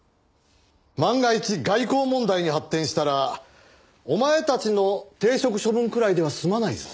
万が一外交問題に発展したらお前たちの停職処分くらいでは済まないぞ。